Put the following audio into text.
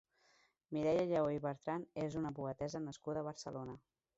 Mireia Lleó i Bertran és una poetessa nascuda a Barcelona.